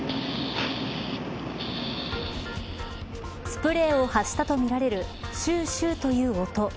スプレーを発したとみられるシューシューという音。